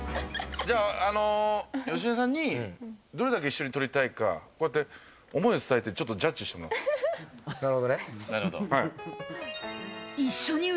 じゃあ、芳根さんにどれだけ一緒に撮りたいか、こうやって思いを伝えてちょっとジャッジしてもらおう。